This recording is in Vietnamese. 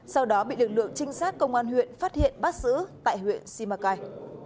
sau đó bị lực lượng trinh sát công an huyện phát hiện bắt giữ tại huyện simacai